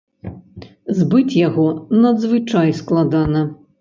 Збыць яго надзвычай складана.